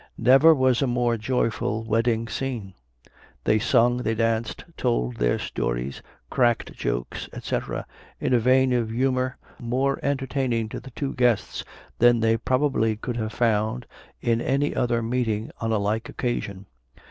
Never was a more joyful wedding seen. They sung, they danced, told their stories, cracked jokes, &c., in a vein of humor more entertaining to the two guests than they probably could have found in any other meeting on a like occasion.